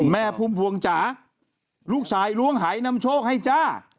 พุ่มพวงจ๋าลูกชายล้วงหายนำโชคให้จ้า